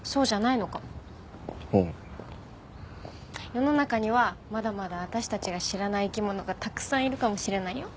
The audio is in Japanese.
世の中にはまだまだ私たちが知らない生き物がたくさんいるかもしれないよ。